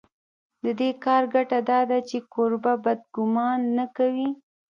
د دې کار ګټه دا ده چې کوربه بد ګومان نه کوي.